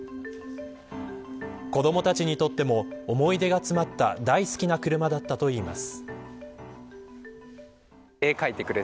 子どもたちにとっても思い出が詰まった大好きな車だったといいます。